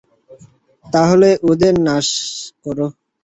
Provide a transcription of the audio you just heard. তাহলে ওদের নাশ করো।